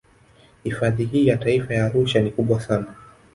Hifadhi hii ya Taifa ya Arusha ni kubwa sana